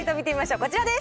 こちらです。